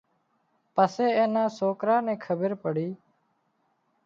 پسي اين نان سوڪران نين کٻير پڙي